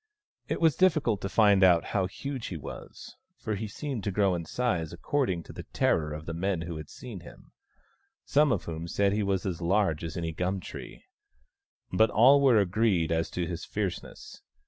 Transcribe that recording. It was difficult to find out how huge he was, for he seemed to grow in size according to the terror of the men who had seen him : some of whom said he was as large as any gum tree. But all were agreed as to his fierceness.